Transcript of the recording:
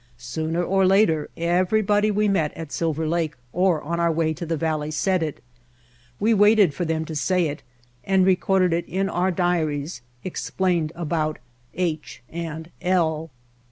Sooner or later everybody we met at Silver Lake or on our way to the valley said it. We waited for them to say it and recorded it in our diaries: ''Explained about H. and L."